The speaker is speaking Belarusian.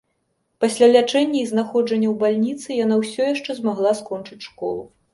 Пасля лячэння і знаходжання ў бальніцы яна ўсё яшчэ змагла скончыць школу.